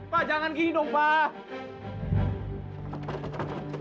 pak jangan gini dong pak